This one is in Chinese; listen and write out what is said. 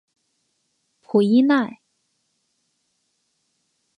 普伊奈。